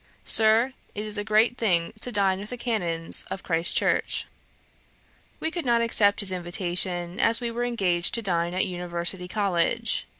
'Sir, it is a great thing to dine with the Canons of Christ Church.' We could not accept his invitation, as we were engaged to dine at University College.